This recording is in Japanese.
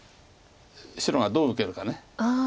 白がどう受けるか。